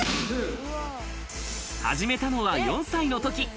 始めたのは４歳のとき。